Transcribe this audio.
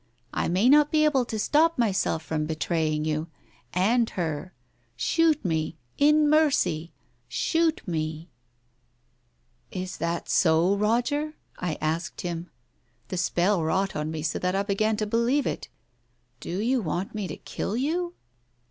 I may not be able to stop myself from betraying you— and her. Shoot me, in mercy ! Shoot me !'"" Is that so, Roger ?" I asked him. The spell wrought on me so that I began to believe it. " Do you want me to kill you